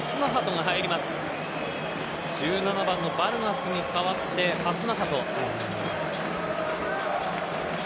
１７番のヴァルガスに代わってファスナハト。